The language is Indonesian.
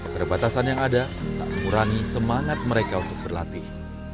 perbatasan yang ada tak mengurangi semangat mereka untuk berlatih